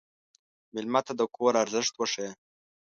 مېلمه ته د کور ارزښت وښیه.